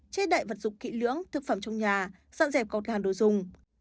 chế đậy vật dụng kỹ lưỡng thực phẩm trong nhà dọn dẹp cầu thang đồ dùng